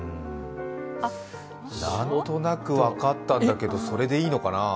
何となく分かったんだけど、それでいいのかな。